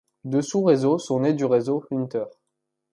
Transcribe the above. Deux sous-réseaux sont nés du réseau Hunter.